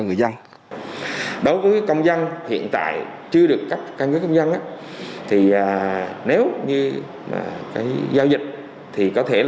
người dân đối với công dân hiện tại chưa được cấp căn cước công dân nếu như giao dịch thì có thể